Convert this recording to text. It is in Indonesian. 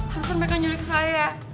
harusan mereka nyulik saya